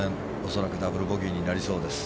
恐らくダブルボギーになりそうです。